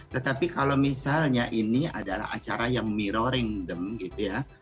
tetapi kalau misalnya ini adalah acara yang mirroring them gitu ya